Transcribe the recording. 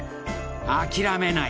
［諦めない。